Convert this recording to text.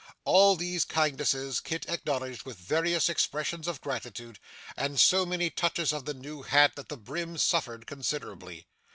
All these kindnesses, Kit acknowledged with various expressions of gratitude, and so many touches of the new hat, that the brim suffered considerably.